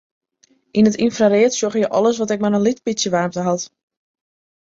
Yn it ynfraread sjogge je alles wat ek mar in lyts bytsje waarmte hat.